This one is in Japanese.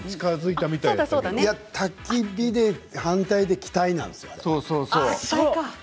たき火の反対で気体なんですよね。